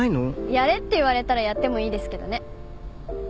やれって言われたらやってもいいですけどね。